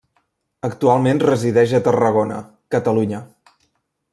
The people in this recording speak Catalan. Actualment resideix a Tarragona, Catalunya.